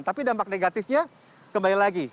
tapi dampak negatifnya kembali lagi